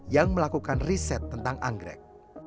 yang melakukan riset tentang anggrek